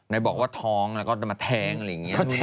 ไหนบอกว่าท้องแล้วก็มาแท้งอะไรอย่างเงี้ย